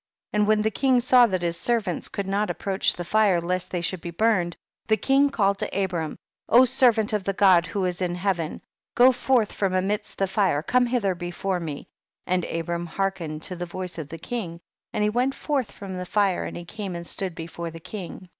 32. And when the king saw that his servants could not approach the fire lest they should be burned, tiie king called to Abram, servant of the God who is in heaven, go forth from amidst the fire and come hith er before me ; and Abram hearkened 34 THE BOOK OF JASHER. to the voice of the king, and he went forth from the fire and came and stood before the king.